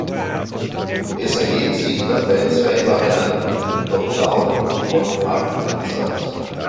Es ergeben sich dabei zwei Varianten: Top-Down- und Bottom-up-Ansatz.